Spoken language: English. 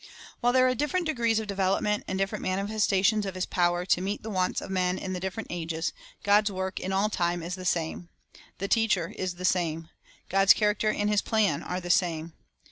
2 While there are different degrees of development and different manifestations of His power to meet the wants of men in the different ages, God's work in all time is the same. The Teacher is the same. God's character and His plan are the same.